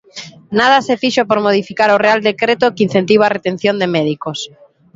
Nada se fixo por modificar o real decreto que incentiva a retención de médicos.